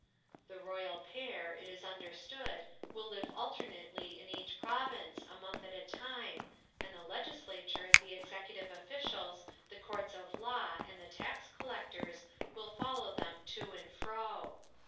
The Royal Pair, it is understood, will live alternately in each province a month at a time and the legislature, the executive officials, the courts of law and the tax collectors will follow them to and fro.